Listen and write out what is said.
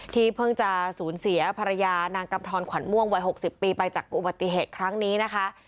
เพิ่งจะสูญเสียภรรยานางกำทรขวัญม่วงวัย๖๐ปีไปจากอุบัติเหตุครั้งนี้นะคะ